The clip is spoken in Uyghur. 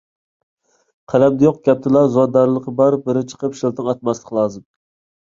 قەلەمدە يوق، گەپتىلا، زۇۋاندارازلىقتىلا بار بىرى چىقىپ شىلتىڭ ئاتماسلىقى لازىم.